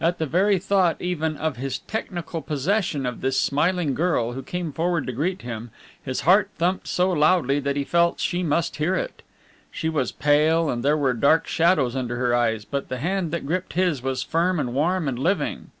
At the very thought even of his technical possession of this smiling girl who came forward to greet him, his heart thumped so loudly that he felt she must hear it. She was pale, and there were dark shadows under her eyes, but the hand that gripped his was firm and warm and living.